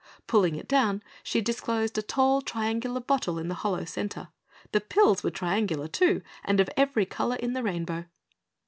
Pulling it down, she disclosed a tall, triangular bottle in the hollow center. The pills were triangular too, and of every color in the rainbow.